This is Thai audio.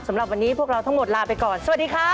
สำหรับวันนี้พวกเราทั้งหมดลาไปก่อนสวัสดีค่ะ